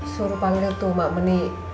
suruh pak lili tuh mak meni